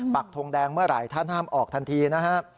ทงแดงเมื่อไหร่ท่านห้ามออกทันทีนะฮะ